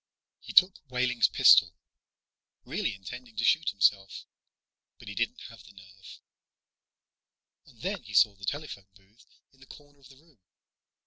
He took Wehling's pistol, really intending to shoot himself. But he didn't have the nerve. And then he saw the telephone booth in the corner of the room.